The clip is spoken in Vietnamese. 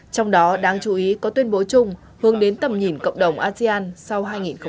trong đó đáng chú ý có tuyên bố chung hướng đến tầm nhìn cộng đồng asean sau hai nghìn hai mươi năm